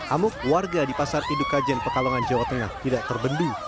amuk warga di pasar indukajen pekalongan jawa tengah tidak terbendung